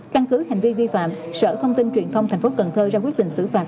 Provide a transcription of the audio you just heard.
căn cứ hành vi vi phạm sở thông tin truyền thông tp cn ra quyết định xử phạt